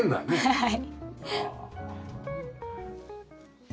はい。